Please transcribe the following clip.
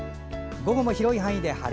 午後も広い範囲で晴れ。